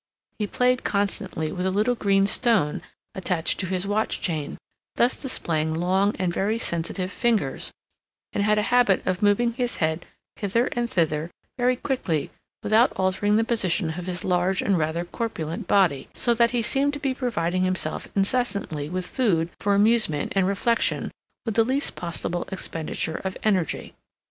He played constantly with a little green stone attached to his watch chain, thus displaying long and very sensitive fingers, and had a habit of moving his head hither and thither very quickly without altering the position of his large and rather corpulent body, so that he seemed to be providing himself incessantly with food for amusement and reflection with the least possible expenditure of energy.